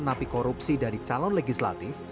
napi korupsi dari calon legislatif